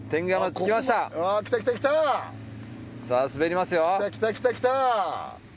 来た来た来た来た！